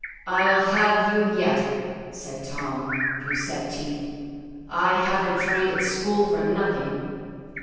"I'll have you yet!" said Tom, through set teeth; "I haven't trained at school for nothing!"